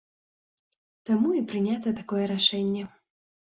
Таму і прынята такое рашэнне.